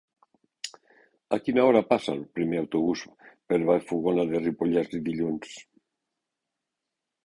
A quina hora passa el primer autobús per Vallfogona de Ripollès dilluns?